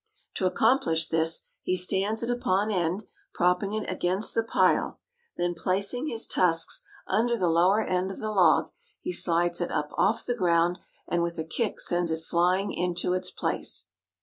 To accomplish this he stands it upon end, propping it against the pile; then, placing his tusks under the lower end of the log, he slides it up off the ground, and with a kick sends it flying into its place.